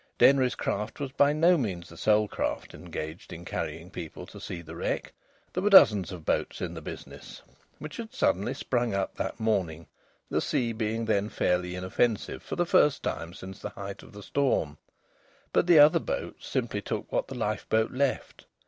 Denry's craft was by no means the sole craft engaged in carrying people to see the wreck. There were dozens of boats in the business, which had suddenly sprung up that morning, the sea being then fairly inoffensive for the first time since the height of the storm. But the other boats simply took what the lifeboat left.